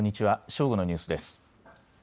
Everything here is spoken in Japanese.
正午のニュースです。